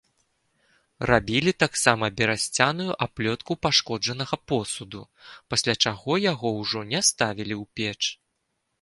Рабілі таксама берасцяную аплётку пашкоджанага посуду, пасля чаго яго ўжо не ставілі ў печ.